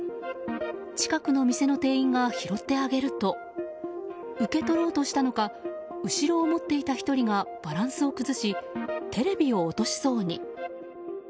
近くの店の店員が拾ってあげると受け取ろうとしたのか後ろを持っていた１人がバランスを崩しテレビを落としそうに。